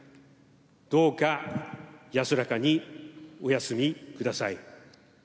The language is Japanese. どうか安らかにお休みください。